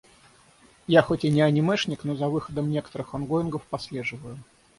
Я хоть и не анимешник, но за выходом некоторых онгоингов послеживаю.